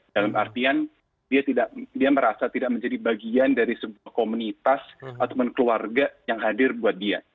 dalam artian dia merasa tidak menjadi bagian dari sebuah komunitas atau keluarga yang hadir buat dia